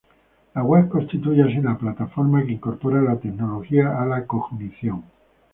La web constituye así la plataforma que incorpora la tecnología a la cognición.